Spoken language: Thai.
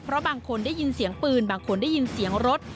เพราะบางคนได้ยินเสียงปืนบางคนได้ยินเสียงรถ